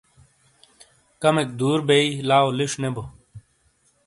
کمک دور بی لاو لش نے بو